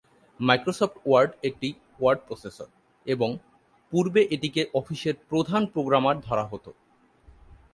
Microsoft Word একটি word processor এবং পূর্বে এটিকে অফিসের প্রধান প্রোগ্রাম ধরা হত।